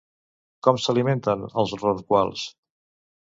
Com s'alimenten els rorquals?